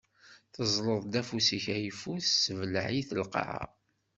Teẓẓleḍ-d afus-ik ayeffus, tessebleɛ-iten lqaɛa.